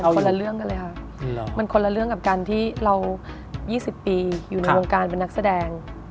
คนละเรื่องกันเลยค่ะมันคนละเรื่องกับการที่เรา๒๐ปีอยู่ในวงการเป็นนักแสดง